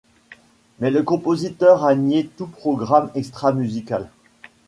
Mais le compositeur a nié tout programme extra-musical.